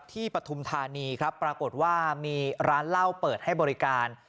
ปฐุมธานีครับปรากฏว่ามีร้านเหล้าเปิดให้บริการ